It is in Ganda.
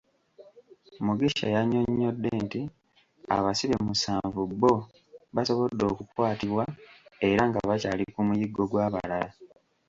Mugisha yannyonnyodde nti abasibe musanvu bbo basobodde okukwatibwa era nga bakyali ku muyiggo gw'abalala.